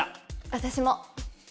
私も！